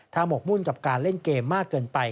หมกมุ่นกับการเล่นเกมมากเกินไป